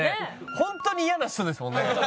ホントに嫌な人ですもんね。